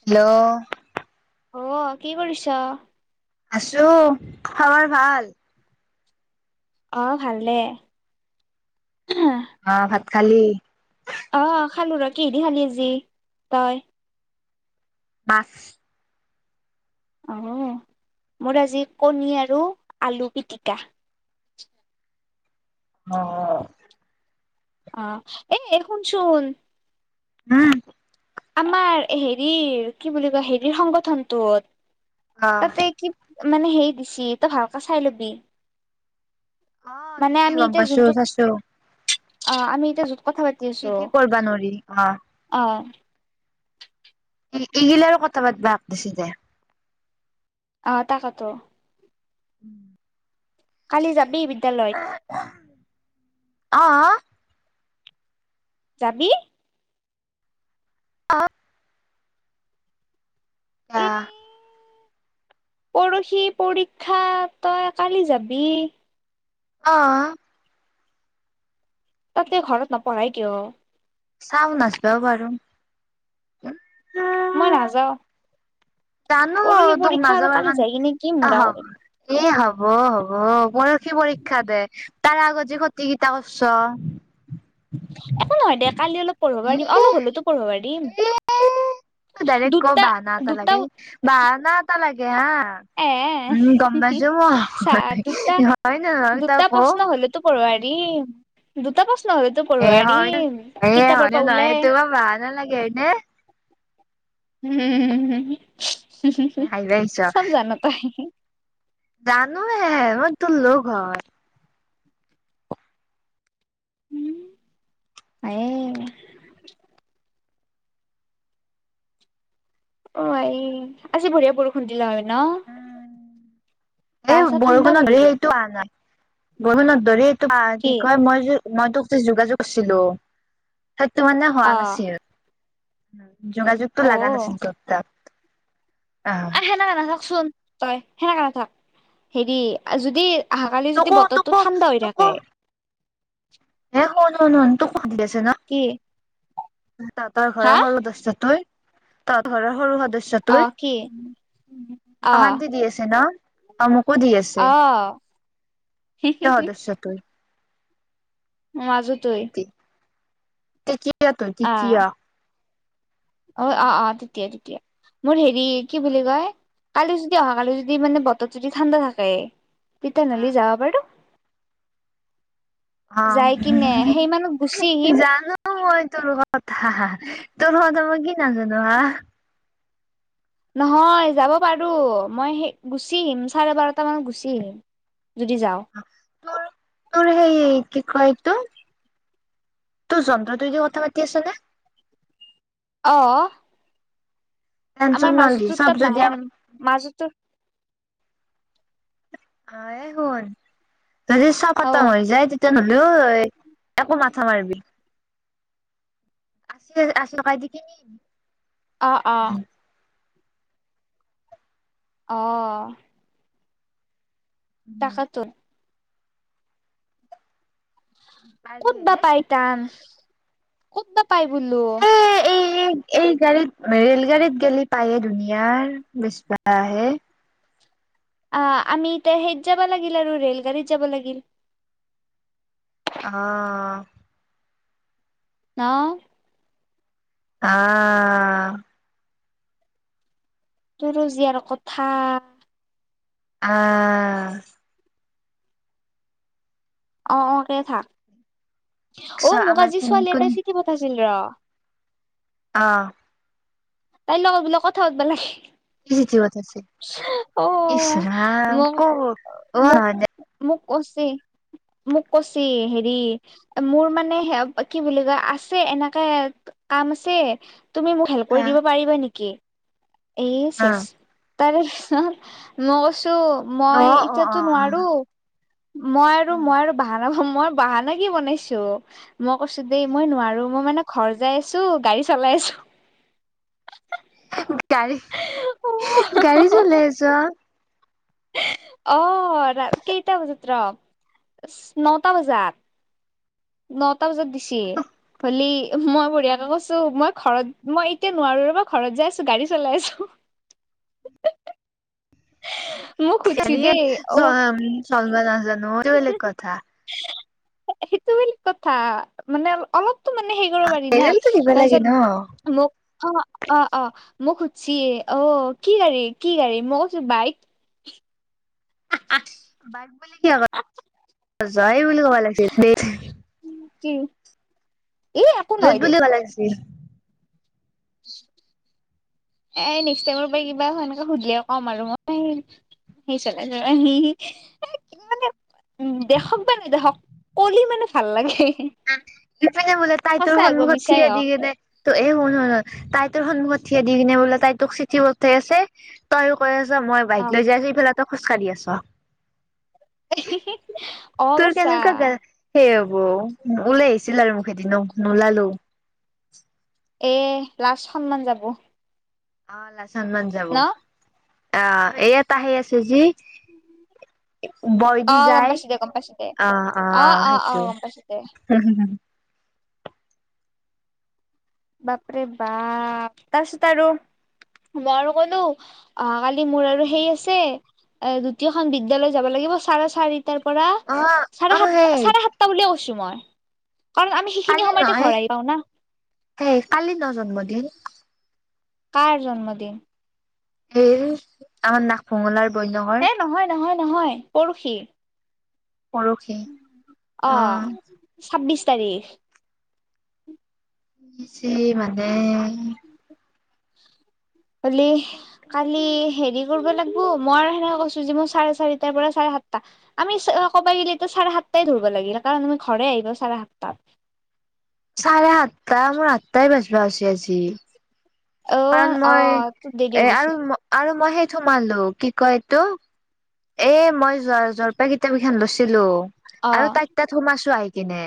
Hello? অ' কি কৰিছ? আছো, খাবাৰ ভাল? অ' ভালে। অ' ভাত খালি? অ' খালো ৰ, কিহদি খালি আজি তই? মাছ। অঁ মোৰ আজি কণী আৰু আলু পিটিকা। অ'। অ', এ শুনচোন? উম। আমাৰ হেৰিৰ কি বুলি কয়, হেৰিৰ অ সংগঠনটোত। তাতে কি মানে হেৰি দিছি, তই ভালকে চাই ল'বি। অ' মানে দিছি আমি গ'ম এতিয়া পাইছো, যোনটোত চাইছো। অ', আমি এতিয়া য'ত কথা পাতি কি আছো কি কৰবা নোৱাৰি, অ'। অ'। ইগিলাৰো কথা পাতবা দিছি দে। অ', তাকাতো। [inaudible] কালি যাবি বিদ্যালয়ত? অ'। যাবি? অ'। এই আ'। পৰহি পৰীক্ষা, তই কালি যাবি? অ'। তাতকে ঘৰত নপঢ়াই কিয়? চাহ বনাইছিলোঁ, ৰ'বা আৰু। মই নাযাওঁ। জানো তোক আৰু নাযাব কালি কাৰণে, যাই কিনে কি মুৰা কৰিম আহক। এ হ'ব, হ'ব, পৰসি পৰীক্ষা যে। তাৰ আগত যে ক্ষতি কিতা কৰছ। একো নহয় দে, কালি অলপ পঢ়িব পাৰিম। অলপ হলেতো পঢ়িব পাৰিম। এ তই দাইৰেক্ট কওঁ, দুটা বাহানা এটা দুটা লাগে। বাহানা টা লাগে হা। এ উম, গম পাইছো চা মই, হয় নে নহয় তই কওঁ। তোক পঢ়োৱাই দিম। দুটা প্ৰশ্ন হলেওঁ তোৰ এ পঢ়োৱাই হয় দিম। এ কিতাপৰ হয়নে পৰা নহয় এইটো ওলাইয়ে। বৰ বাহানা লাগে হয়নে? হাঁহিব আহিছ চব জান তই। জানোয়ে মই তোৰ লগ হয়। উম, নাইয়ে। অ, এই আজি বঢ়িয়া বৰষুণ দিলে হয় ন? গা এই চা ঠাণ্ডা পৰি বৰষুণত গেল [unintelligible] বৰষুণত ধৰি এইটো আ, কি কয় মই য'ত মই তোক যে যোগাযোগ কৰিছিলো, সেইটো মানে অ হোৱা নাছিল। যোগাযোগটো অ লাগা নাছিল তোৰ তাত। আহ, সেনেকে নাথাকচোন তই, সেনেকাে নাথাক। হেৰি যদি অহাকালি যদি তোকো বতৰটো টো, তোকো ঠাণ্ডা হৈ থাকে। এই শুন, শুন, শুন তোক সুধি আছে ন,? কি? তহঁতৰ হা ঘৰৰ সৰু সদস্য তই, তহঁতৰ ঘৰৰ সৰু সদস্য অ তই, কি অ অশান্তি দি আছে ন? অ, মোকো দি অ আছে। কিয় সদস্য তই [inaudible] শান্তি, তৃতীয় তই তৃতীয়। আহ অ, অ, অ, তৃতীয়, তৃতীয়। মোৰ হেৰি কি বুলি কয়? কালি যদি অহাকালি যদি মানে বতৰ যদি ঠাণ্ডা থাকে। তেতিয়া ন'হলি যাব পাৰো। অ, যাই [inaudible] কিনে সেইমানত গুচি জানো। আহিম জানো মই তোৰ কথা, তোৰ কথা মই কি নাজানো হা। নহয় যাব পাৰো। মই সেই গুচি আহিম, চাৰে বাৰটা মানত গুচি আহিম। যদি যাওঁ। তোৰ, তোৰ সেই কি কয় এইটো তোৰ যন্ত্ৰটো দি কথা পাতি আছ নে? অ, টেনচন আমাৰ নলবি মাজতটো চব তাত যদি নাহে, মাজটো আহে সোন, যদি চাহ অ পাতা হৈ যায় তে তেনেহ'লেও, একো মাথা নামাৰিবি। আশি টকাই দি কিনিম। অ, অ, অ, তাকেতোন। পাৰি ক'তবা হয়নে পাই টান, ক'তবা পাই বোলো? এ এই এই গাড়ীত ৰেল গাড়ীত গেলি পায় এই দুনীয়াৰ, বিছ টাকাহে। অ, আমি এতিয়া সেইত যাব লাগিল আৰু ৰেল গাড়ীত যাব লাগিল। অ, ন, অ, তোৰো যে আৰু কথা। আ আহ, অ, অ, কেই থাক চ অ, মোক আমাৰ আজি কিন ছোৱালী এটাই কোনে চিঠি পঠাইছিল ৰহ। অ, তাইৰ লগত বোলে কথা পাতবা লাগে। কি চিঠি পথাইছে, অ ইচ মোক ৰাম মোক [unintelligible] মোক কহছি। মোক কছি হেৰি মোৰ মানে হে কি বুলি কয় আছে এনেকে কাম আছে তুমি মোক হেল্প কৰি দিব পাৰিবা নেকি? এই চেচ তাৰপিছত মই কৈছোঁ অ মই অ অ অ এতিয়াতো অ নোৱাৰোঁ। মই আৰু উম মই আৰু বাহানা মই বাহানা কি বনাইছোঁ। মই কৈছোঁ দেই মই নোৱাৰোঁ মই মানে ঘৰ যাই আছো, গাড়ী চলাইছো। গাড়ী চলাই আছ? অ ৰা কেইটা বজাত ৰ, নটা বজাত। নটা বজাত দিছি। হলি মই বঢ়িয়াকে কৈছোঁ মই ঘৰত মই এতিয়া নোৱাৰো ৰবা। ঘৰত যাই আছো, গাড়ী চলাই আছো। মোক সুধছি দেই অ [unintelligible] সেইটো বেলেগ কথা, মানে অলপ ত মানে হেই কৰিব পাৰি না। লেবেলটো দিব লাগে তাৰপিছত ন মোক অ অ অ মোক সোধছি। অ কি গাড়ী কি গাড়ী, মই কৈছো বাইক। আহ [unintelligible] কি ই একো নহয় দে [unintelligible] [inaudible] এই নেক্সট টাইমৰ পৰা কিবা সেনেকে সুধিলে ক'ম আৰু মই [unintelligible] উম দেখক বা নেদেখক কলি মানে ভাল লাগে। বোলে তাই তোৰ সঁচা হওক বা সন্মুখত মিছাই থিয় দি হওক কিনে এই শুন শুন তাই তোৰ সন্মুখত থিয় দি কিনে বোলে তাই তোক চিঠি পথে আছে তইও কৈ আছ মই বাইক অ লৈ যাই আছো, ইফালে তই খোজকাঢ়ি আছ। অ তোৰ বচা কেনেকুৱা গা সেই হ'ব ওলাই আ আছিল আৰু মোখেদি নো নোলালো এহ এই লাচ সন্মান যাব। অ লাচ সন্মান যাব। ন অ এইয়াটা আহি আছে যি। [inaudible] বৈ অ দি গম যায় পাইছো দে, গম পাইছো দে। অ অ অ গম পাইছো দে। উম বাপৰে বাপ তাৰপিছত আৰু মই কলো অহাকালি মোৰ আৰু হেৰি আছে দুতীয়খন বিদ্যালয় যাব লাগিব চাৰে চাৰি তাৰ পৰা অ চাৰে অ সাত সেই চাৰে সাতটা বুলিয়ে কৈছো মই। কাৰণ আমি সেইখিনি কালি সময়তে নাই, ঘৰ আহি পাওঁ না এহ কালি ন জন্মদিন। কাৰ জন্মদিন? [unintelligible] ঐ নহয় নহয় নহয় পৰহি। পৰহি অ ছাব্বিছ তাৰিখ। পিছে মানে [unintelligible] কালি হেৰি কৰিব লাগবো। মই আৰু সেনেকে কৈছো যে মই চাৰে চাৰিটাৰ পৰা চাৰে সাতটা। আমি চ কব গিলে চাৰে সাতটাই ধৰিব লাগিলে কাৰণ আমি ঘৰে আহি পাওঁ চাৰে সাতটাত। চাৰে সাতটা মোৰ আঠটাই বাজিব হৈছে আজি। অ কাৰণ অ মই তোৰ দেৰি এ হৈ গৈছিল আৰু-আৰু মই সেই সোমালো কি কয় এইটো। এ মই [unintelligible] জৰপাই কিতাপকেইখন লৈছিলো অ আৰু তাই তাত সোমাইছোঁ আহি কিনে।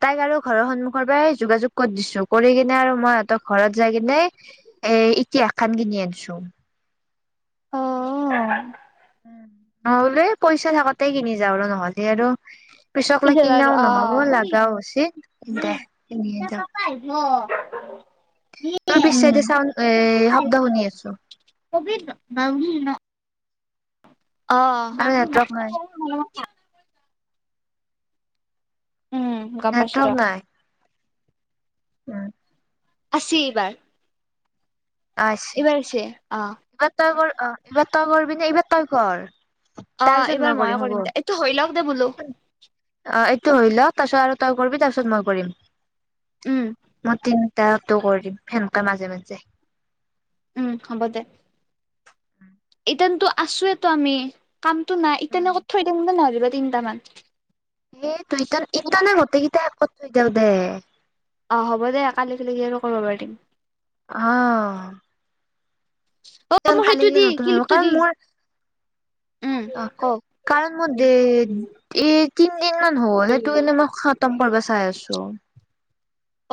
তাইক আৰু ঘৰৰ সন্মুখৰ পৰাই যোগাযোগ কৰি দিছো কৰি কিনে আৰু মই সিহঁতক ঘৰত যাই কিনে এ ইতিহাসখন কিনি আনিছোঁ। অঁ-অঁ। উম। মই বোলে এই পইচা থাকোঁতেই কিনি যাওঁ আৰু নহ'লে আৰু পিছক লৈ পিছত আৰু কিনাও অ নহ'ব, উম লগাও হৈছে দে কিনিয়ে দিওঁ। তোৰ পিছে দি চাউন এই শব্দ শুনি আছোঁ। [unintelligible] অ! আৰু নেটৱৰ্ক নাই [unintelligible] উম, গম পাইছো ৰ নেটৱৰ্ক নাই। উম! আহিছে এইবাৰ। আছে এইবাৰ আহিছে অঁ। এইবাৰ তই কৰ অ এইবাৰ তই কৰবি নে এইবাৰ তই কৰ। অঁ! তাৰপিছত এইবাৰ মই ময়ে হ'ব কৰিম দে এইটো হৈ লওক দে বোলো। অঁ! এইটো হৈ ল‌ওক তাৰ পিছত আৰু তই কৰিবি তাৰপিছত মই কৰিম। উম মই তিনটাটো কৰিম সেনেকে মাজে-মাজে। উম! হ'ব দে। এতিয়াটো আছোঁৱেইটো আমি কামটো না এতিয়া উম নে কৰি থৈ দিওঁ দে নহ'লে বা তিনটামান। এ তইটোন ইটানে গোটেইকেইটাই আকত থৈ দিওঁ দে। অঁ! হ'ব দে কালিক লৈকে আৰু কৰিব পাৰিম। অঁ! অ মো সেইটো গিলে দি নতুন আহিব ক্লিপটো কাৰণ দি। মোৰ উম, অ ক‌ওক? কাৰণ মোৰ দে এ তিনদিন মান হ'ল সেইটো এনেই মই খাওঁ উতম কৰিব চাই আছোঁ।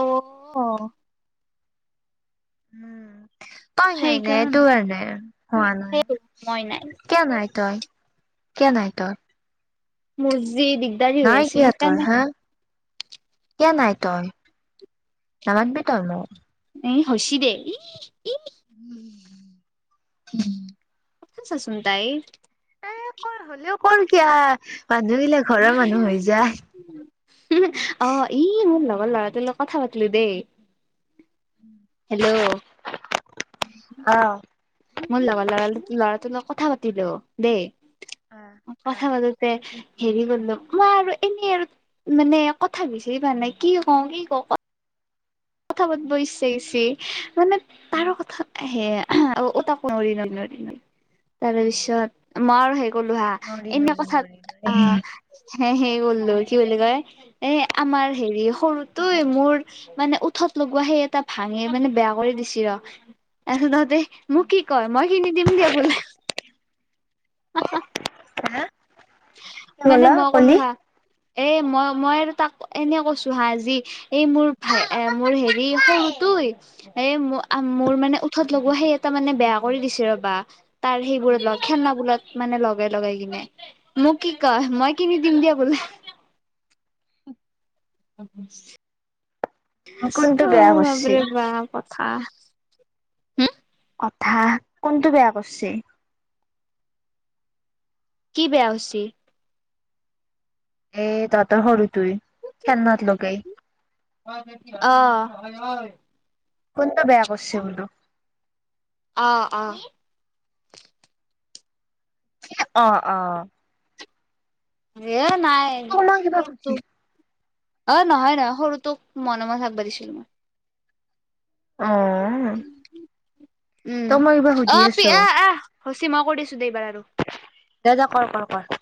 অউ, অ। উম! তই নাই নে সেইটো সেইকাৰণে কাৰণে হোৱা নাই। মই নাই কিয় নাই তই? কিয় নাই তই? মোৰ যি দিক নাই কিয় তই হা? কিয় নাই তই? নামাতিবি তই মোক? এই হয়ছি দে ইহ-ইহ। উম! উম। [unintelligible] চাচোন তাইৰ। এ কৰ হ'লেও কৰ কিয়া মানুহ গিলা ঘৰৰ মানুহ হৈ যায়। [unintelligible] অ! ই মোৰ লগৰ ল'ৰাটোৰ লগত কথা পাতিলোঁ দেই। হেল্ল'! [inaudible] অ! মোৰ লগৰ ল'ৰা ল'ৰাটোৰ লগত কথা পাতিলোঁ দেই, অ', অ', কথা পাতোঁতে হেৰি কৰিলোঁ মই আৰু এনেই আৰু মানে কথা বিচাৰি পোৱা নাই কি কওঁ, কি কওঁ ক'ত কথা পাতিব ইচ্ছা গৈছে মানে তাৰো কথা সেয়া [inaudible] তাকো নৰি ন নৰি ন তাৰ পিছত মোৰ সেই কলোঁ হা নৰি এনেই নৰি কথাত নৰি নৰি আহ হে সেই কৰিলোঁ কি বুলি কয় এ আমাৰ হেৰি সৰুটোয়ে মোৰ মানে উ ঠত লগোৱা সেই এটা ভাঙি মানে বেয়া কৰি দিছি ৰ, তাৰপিছত তহঁতে মোক কি কয় মই কিনি দিম দিয়া বোলে। হা? কি মানে ক'লা মই ক'লো কলি হা, এ মই মই আৰু তাক এনে কৈছোঁ হা আজি এই মোৰ ভা এ মোৰ হেৰি সৰু তই এ মোৰ মোৰ মানে উঠত লগোৱা সেই এটা মানে বেয়া কৰি দিছে ৰবা। তাৰ সেইবোৰত লগ খেলনাবোৰত মানে লগাই লগাই কিনে। মোক কি কয় মই কিনি দিম দিয়া বোলে। [unintelligible] কোনটো অ বেয়া কৰিছে বাপৰে বাব কথা। হুম কথা কোনটো বেয়া কৰছে? কি বেয়া হৈছি? এ তহঁতৰ সৰুটোৱে খেলনাত লগাই। [inaudible] কোনটো বেয়া কৰছে বোলোঁ? অঁ অঁ। অঁ অ। এ নাই, তোক মই কিবা কোনটো? সুধি অ নহয় নহয়, সৰুটোক মনে মনে থাকবা দিছিলোঁ মই। অঁ। উম, কিবা সুধি অ পি আছো আহ আহ হৈছে মই কৈ দিছোঁ দে এইবাৰ আৰু। দে দে কৰ কৰ কৰ।